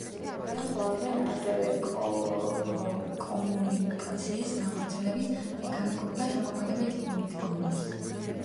განასხვავებენ ასევე კომუნიკაციის განხორციელების მექანიკურ და შემოქმედებით მიდგომებს.